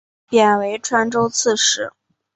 贬为川州刺史。